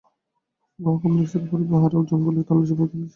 গুহা কমপ্লেক্সের উপরে পাহাড়ে আর জঙ্গলেও তল্লাশি অব্যাহত রয়েছে।